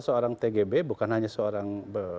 seorang tgb bukan hanya seorang